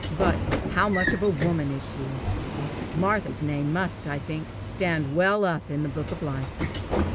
but, "How much of a woman is she?" Martha's name must, I think, stand well up in the book of life.